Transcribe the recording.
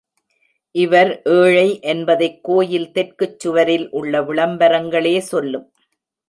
இவர் ஏழை என்பதைக் கோயில் தெற்குச் சுவரில் உள்ள விளம்பரங்களே சொல்லும்.